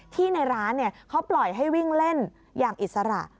ในร้านเขาปล่อยให้วิ่งเล่นอย่างอิสระ